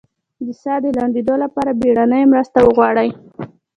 د ساه د لنډیدو لپاره بیړنۍ مرسته وغواړئ